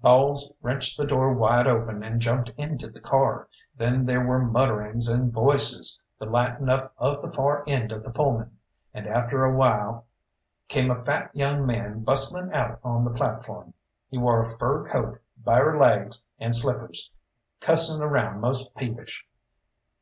Bowles wrenched the door wide open, and jumped into the car; then there were mutterings and voices, the lighting up of the far end of the Pullman; and after a while came a fat young man bustling out on the platform. He wore a fur coat, bare legs, and slippers, cussing around most peevish.